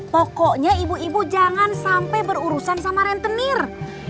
pokoknya ibu ibu jangan sampai berurusan sama rentenir